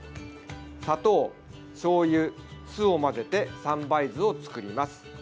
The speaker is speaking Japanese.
砂糖、しょうゆ、酢を混ぜて三杯酢を作ります。